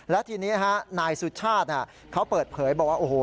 และทีนี้นายสุชาติเขาเปิดเผยบอกว่าโอ้โห